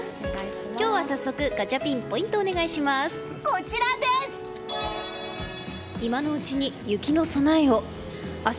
今日は早速、ガチャピンポイントをお願いします。